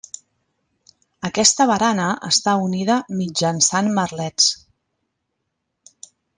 Aquesta barana està unida mitjançant merlets.